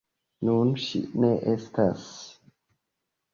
Nun ŝi ne estas.